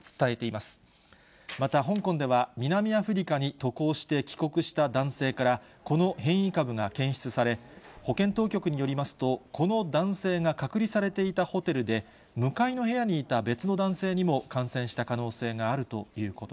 また香港では、南アフリカに渡航して帰国した男性からこの変異株が検出され、保健当局によりますと、この男性が隔離されていたホテルで、向かいの部屋にいた別の男性にも感染した可能性があるということ